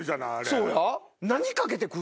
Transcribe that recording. そうや。